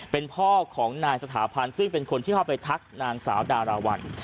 เป็นพ่อของนายสถาพันธ์ซึ่งเป็นคนที่เข้าไปทักนางสาวดาราวัล